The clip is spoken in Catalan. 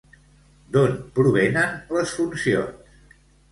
D'on provenen les funcions?